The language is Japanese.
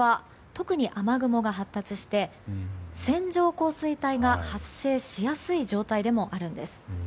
特に雨雲が発達して線状降水帯が発生しやすい状態でもあるんです。